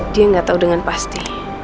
dia gak tau dengan pasti